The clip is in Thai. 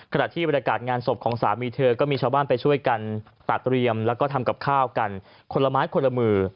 ขณะที่บรรยากาศงานศพของสามีเธอก็มีชาวบ้านไปช่วยกันตัดเรียมแล้วก็ทำกับข้าวกันคนละไม้คนละมือ